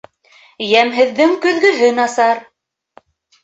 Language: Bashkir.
Йәмһеҙҙең көҙгөһө насар